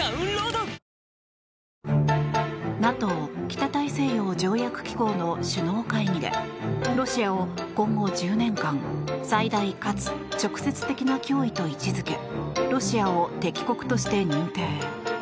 ＮＡＴＯ・北大西洋条約機構の首脳会議でロシアを今後１０年間最大かつ直接的な脅威と位置付けロシアを敵国として認定。